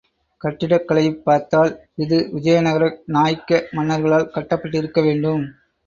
கட்டிடக் கலையைப் பார்த்தால் இது விஜயநகர நாய்க்க மன்னர்களால் கட்டப்பட்டிருக்க வேண்டும்.